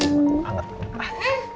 tuh tuh tuh